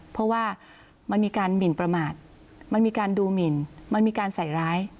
เพราะว่ามันมีการหมินประมาทมันมีการดูหมินมันมีการใส่ร้าย